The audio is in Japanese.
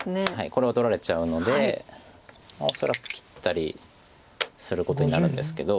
これを取られちゃうので恐らく切ったりすることになるんですけど。